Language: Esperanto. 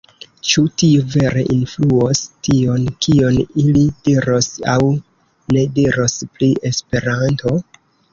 Ĉu tio vere influos tion, kion ili diros aŭ ne diros pri Esperanto?